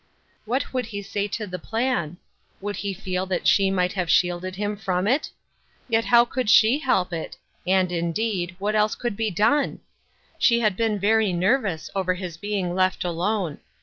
What would he say to the plan? Would he feel that 3he might have shielded liim from it ? Yet how could she help it ? and, indeed, what else could be done ? She had been very nervous over his being left alone.